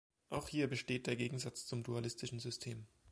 Auch hier besteht der Gegensatz zum dualistischen System.